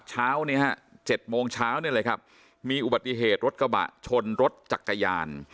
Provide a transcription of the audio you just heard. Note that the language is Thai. เช้านี้ฮะ๗โมงเช้านี่แหละครับมีอุบัติเหตุรถกระบะชนรถจักรยาน